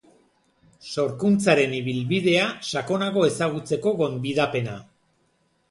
Sorkuntzaren ibilbidea sakonago ezagutzeko gonbidapena.